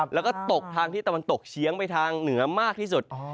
แล้วก็ตกทางที่ตะวันตกเฉียงไปทางเหนือมากที่สุด